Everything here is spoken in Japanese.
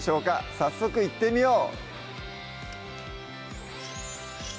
早速いってみよう！